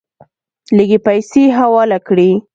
لږې پیسې حواله کړې.